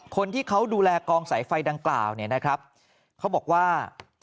คนที่เขาดูแลกองสายไฟดังกล่าวเนี่ยนะครับเขาบอกว่า